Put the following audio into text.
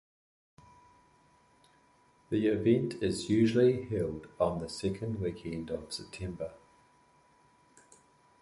The event is usually held on the second weekend of September.